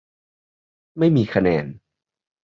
ไม่มีคะแนน